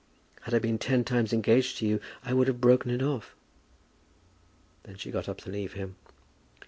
Had I been ten times engaged to you I would have broken it off." Then she got up to leave him.